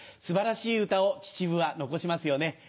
素晴らしい歌を秩父は残しますよね。